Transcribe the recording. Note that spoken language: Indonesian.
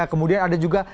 kemudian ada juga